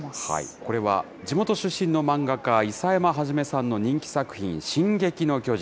これは地元出身の漫画家、諌山創さんの人気作品、進撃の巨人。